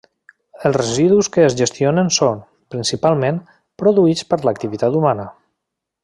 Els residus que es gestionen són, principalment, produïts per l'activitat humana.